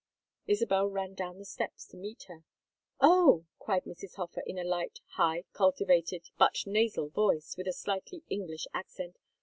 Isabel ran down the steps to meet her. "Oh!" cried Mrs. Hofer, in a light, high, cultivated, but nasal voice, with a slightly English accent.